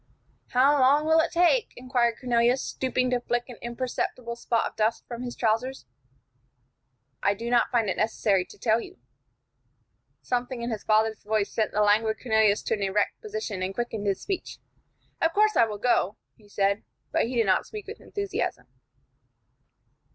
"How long will it take?" inquired Cornelius, stooping to flick an imperceptible spot of dust from his trousers. "I do not find it necessary to tell you." Something in his father's voice sent the languid Cornelius to an erect position, and quickened his speech. "Of course I will go," he said, but he did not speak with enthusiasm.